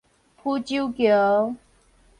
浮洲橋